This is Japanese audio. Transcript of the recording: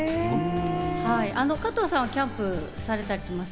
加藤さんはキャンプされたりします？